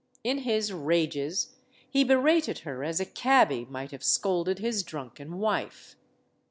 In his rages he berated her as a cabby might have scolded his drunken wife.